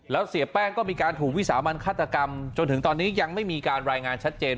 แล้วเสียแป้งก็มีการถูกวิสามันฆาตกรรมจนถึงตอนนี้ยังไม่มีการรายงานชัดเจน